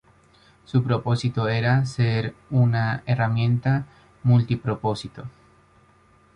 Su propósito era ser una herramienta multi-propósito.